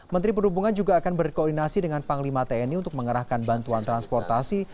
menteri perhubungan juga akan berkoordinasi dengan panglima tni untuk mengerahkan bantuan transportasi